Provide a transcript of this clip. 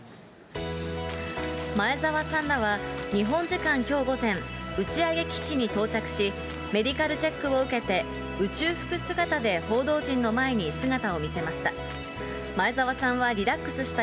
前澤さんらは日本時間きょう午前、打ち上げ基地に到着し、メディカルチェックを受けて、宇宙服姿で報道陣の前に姿を見せました。